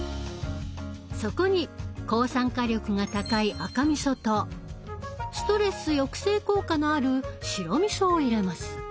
そこに抗酸化力が高い赤みそとストレス抑制効果のある白みそを入れます。